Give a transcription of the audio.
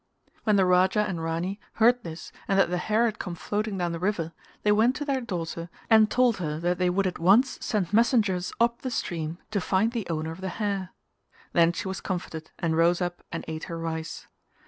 When the Raja and Rani heard this and that the hair had come floating down the river they went to their daughter and told her that they would at once send messengers up the stream to find the owner of the hair. Then she was comforted and rose up and ate her rice.